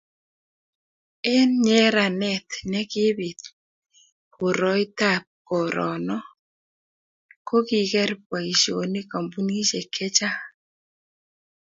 eng' nyeranet ne kiibi koroitab korono kokiker boisionik kampunisiek che chang'